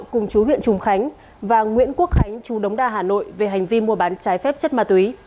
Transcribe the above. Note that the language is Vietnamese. cùng chú huyện trùng khánh và nguyễn quốc khánh chú đống đa hà nội về hành vi mua bán trái phép chất ma túy